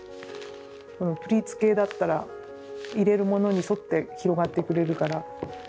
プリーツ系だったら入れるものに沿って広がってくれるから。